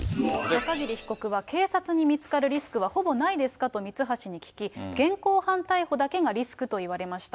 中桐被告は警察に見つかるリスクはほぼないですか？とミツハシに聞き、現行犯逮捕だけがリスクといわれました。